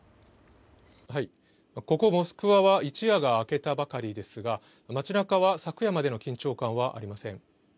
ここモスクワは一夜が明けたばかりですが街なかは昨夜までの緊張感はありません。